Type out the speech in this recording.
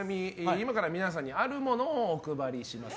今から皆さんにあるものをお配りします。